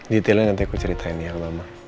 detailnya nanti aku ceritain ya mama